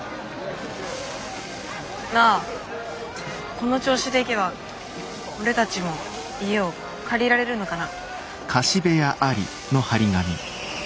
なあこの調子でいけば俺たちも家を借りられるのかな。